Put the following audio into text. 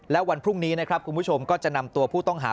และวันพรุ่งนี้นะครับคุณผู้ชมก็จะนำตัวผู้ต้องหา